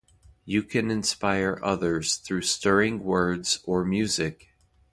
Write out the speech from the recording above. You can inspire others through stirring words or music.